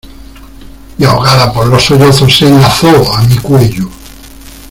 y ahogada por los sollozos se enlazó a mi cuello.